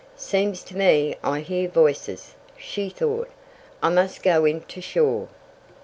"Seems to me I hear voices," she thought. "I must go in to shore."